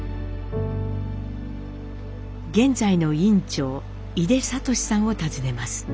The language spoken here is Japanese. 現在の院長井手聰さんを訪ねます。